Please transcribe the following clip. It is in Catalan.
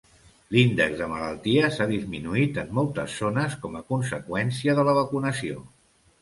L'índex de malalties ha disminuït en moltes zones com a conseqüència de la vacunació.